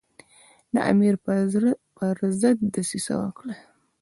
د امیر پر ضد دسیسه وکړي.